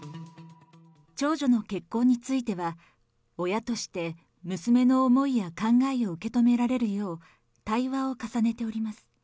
長女の結婚については、親として娘の思いや考えを受け止められるよう、対話を重ねております。